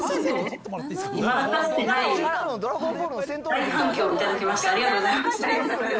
いまだかつてない大反響をいただきまして、ありがとうございました。